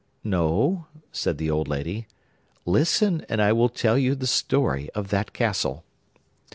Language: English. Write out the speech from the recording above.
'No,' said the old lady. 'Listen, and I will tell you the story of that castle.